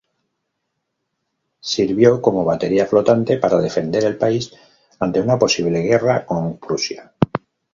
Sirvió como batería flotante para defender al país ante una posible guerra con Prusia.